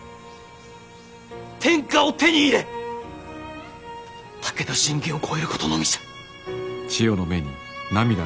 天下を手に入れ武田信玄を超えることのみじゃ。